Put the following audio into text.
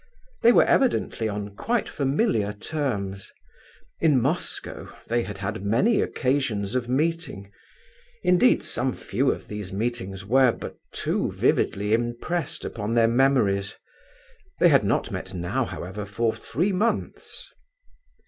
They were evidently on quite familiar terms. In Moscow they had had many occasions of meeting; indeed, some few of those meetings were but too vividly impressed upon their memories. They had not met now, however, for three months.